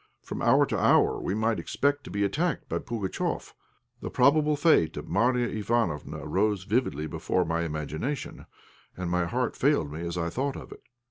From hour to hour we might expect to be attacked by Pugatchéf. The probable fate of Marya Ivánofna rose vividly before my imagination, and my heart failed me as I thought of it.